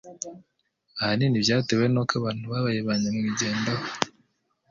ahanini byatewe n uko abantu babaye ba nyamwigendaho